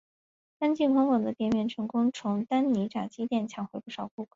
干净宽广的店面成功从丹尼炸鸡店抢回不少顾客。